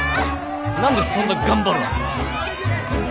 何でそんな頑張るわけ？